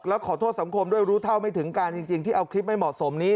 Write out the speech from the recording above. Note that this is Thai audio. แล้วขอโทษสังคมด้วยรู้เท่าไม่ถึงการจริงที่เอาคลิปไม่เหมาะสมนี้